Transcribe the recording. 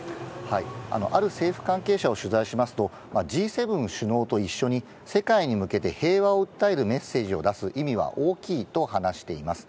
ある政府関係者を取材しますと、Ｇ７首脳と一緒に、世界に向けて平和を訴えるメッセージを出す意味は大きいと話しています。